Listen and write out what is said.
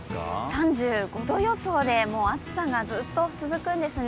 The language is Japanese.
３５度予想で、もう暑さがずっと続くんですね。